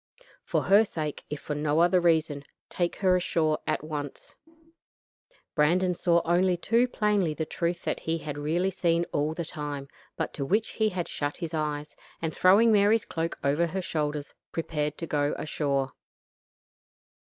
For her sake, if for no other reason, take her ashore at once." Brandon saw only too plainly the truth that he had really seen all the time, but to which he had shut his eyes, and throwing Mary's cloak over her shoulders, prepared to go ashore.